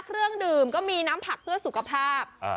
เครื่องดื่มก็มีน้ำผักเพื่อสุขภาพ